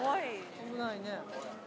危ないね。